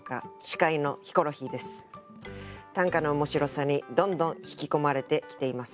短歌の面白さにどんどん引き込まれてきています。